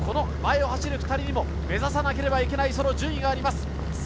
前を走る２人にも目指さなければいけない順位があります。